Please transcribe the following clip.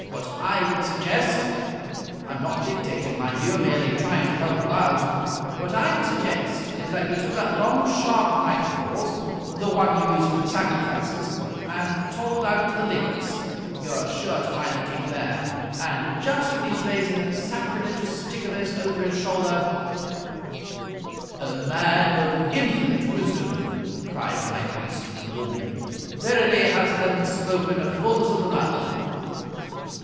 What I would suggest I'm not dictating, mind you; merely trying to help you out what I would suggest is that you took that long, sharp knife of yours, the one you use for the sacrifices, and toddled out to the Linx you're sure to find the King there; and just when he's raising that sacrilegious stick of his over his shoulder " "O man of infinite wisdom," cried the High Priest, warmly, "verily hast them spoken a fullness of the mouth!"